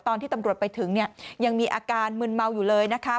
ตอนที่ตำรวจไปถึงเนี่ยยังมีอาการมึนเมาอยู่เลยนะคะ